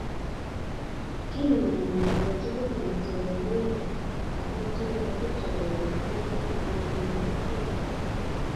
Kimingini aketugul neitororigei , aketoror inendet ne iminingei